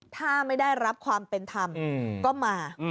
ถ้าไม่ได้รับความเป็นธรรมก็มา